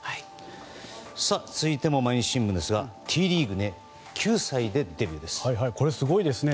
続いても毎日新聞ですがＴリーグですごいですね。